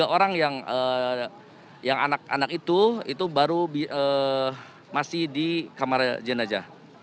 tiga orang yang anak anak itu itu baru masih di kamar jenajah